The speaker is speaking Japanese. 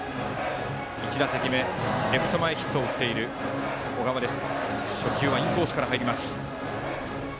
１打席目、レフト前ヒットを打っている小川です。